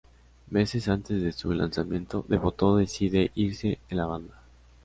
Meses antes de su lanzamiento, Devoto decide irse de la banda.